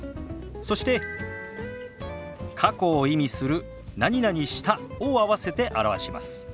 そして過去を意味する「した」を合わせて表します。